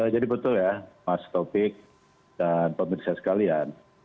jadi betul ya mas topik dan pemirsa sekalian